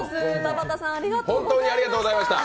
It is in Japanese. ほんまにありがとうございました。